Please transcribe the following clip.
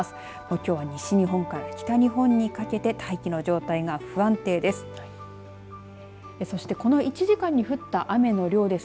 きょうは西日本から北日本にかけて大気の状態が不安定です。